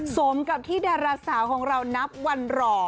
สมกับที่ดาราสาวของเรานับวันหล่อ